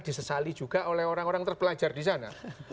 disesali juga oleh orang orang terpelajar di sana